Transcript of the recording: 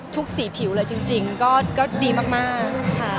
ทุกสีผิวเลยจริงก็ดีมาก